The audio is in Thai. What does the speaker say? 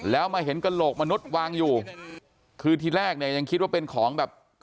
แล้วมาเห็นกระโหลกมนุษย์วางอยู่คือทีแรกเนี่ยยังคิดว่าเป็นของแบบ